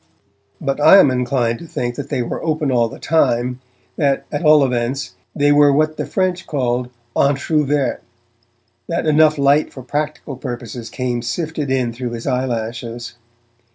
But I am inclined to think that they were open all the time, that, at all events, they were what the French call 'entr'ouvert', that enough light for practical purposes came sifted in through his eyelashes.